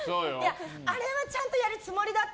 あれはちゃんとやるつもりだった。